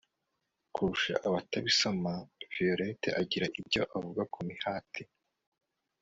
kurusha abatabisoma Violet agira icyo avuga ku mihati